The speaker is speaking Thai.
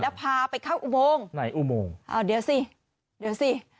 แล้วพาไปเข้าอุโมงไหนอุโมงอ้าวเดี๋ยวสิเดี๋ยวสิ